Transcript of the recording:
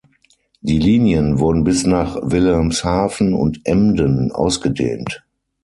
Die Linien wurden bis nach Wilhelmshaven und Emden ausgedehnt.